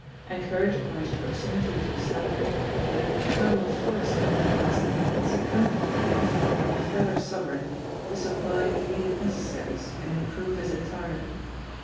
Encouraged by his proximity to a salary, the "Colonel Forrester'* of the cast had succimibed to the offer of a fur ther sovereign to supply immediate necessaries and improve his attire.